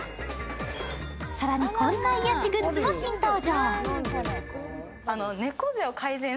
更にこんな癒やしグッズも新登場。